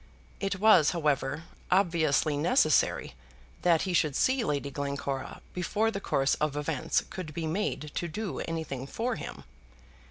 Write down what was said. It was, however, obviously necessary that he should see Lady Glencora before the course of events could be made to do anything for him.